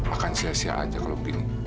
akan sia sia aja kalau begini